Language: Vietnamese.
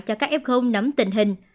cho các f nắm tình hình